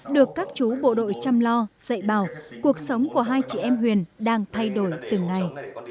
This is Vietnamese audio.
được các chú bộ đội chăm lo dạy bào cuộc sống của hai chị em huyền đang thay đổi từng ngày